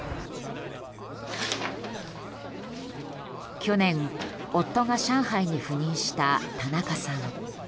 去年、夫が上海に赴任した田中さん。